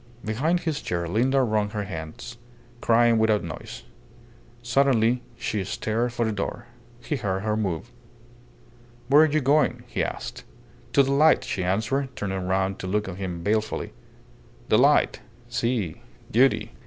Behind his chair Linda wrung her hands, crying without noise. Suddenly she started for the door. He heard her move. "Where are you going?" he asked. "To the light," she answered, turning round to look at him balefully. "The light! Si duty."